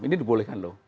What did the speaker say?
ini dibolehkan loh